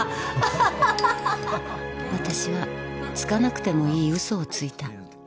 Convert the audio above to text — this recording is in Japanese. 私はつかなくてもいい嘘をついた